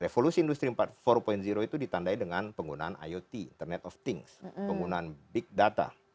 revolusi industri empat itu ditandai dengan penggunaan iot internet of things penggunaan big data